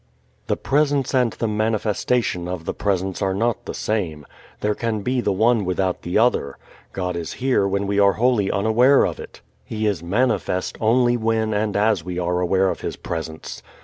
The Presence and the manifestation of the Presence are not the same. There can be the one without the other. God is here when we are wholly unaware of it. He is manifest only when and as we are aware of His Presence.